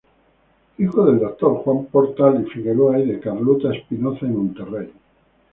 Hijo del doctor Juan Portal y Figueroa, y de Carlota Espinoza y Monterrey.